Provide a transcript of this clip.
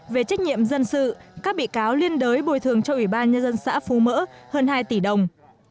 về trách nhiệm dân sự các bị cáo liên đới bồi thường cho ủy ban nhân dân xã phú mỡ hơn hai tỷ đồng